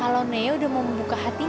ibu justadut dipakai bagian barking